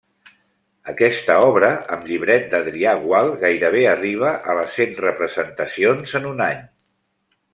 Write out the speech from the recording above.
Aquesta obra, amb llibret d'Adrià Gual gairebé arribà a les cent representacions en un any.